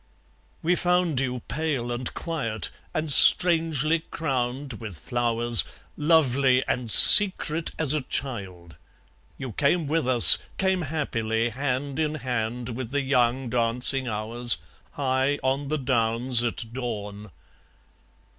(We found you pale and quiet, and strangely crowned with flowers, Lovely and secret as a child. You came with us, Came happily, hand in hand with the young dancing hours, High on the downs at dawn!)